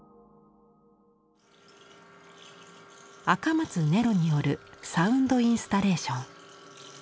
赤松音呂によるサウンドインスタレーション。